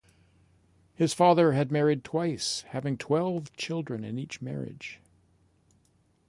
His father had married twice having twelve children in each marriage.